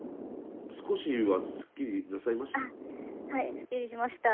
少しはスッキリなさいました？